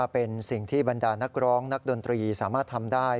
เป็นสิ่งที่บรรดานักร้องนักดนตรีสามารถทำได้